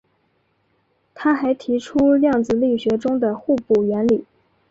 他还提出量子力学中的互补原理。